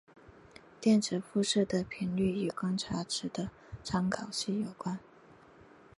电磁辐射的频率与观察者的参考系有关。